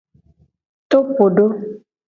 Topodo.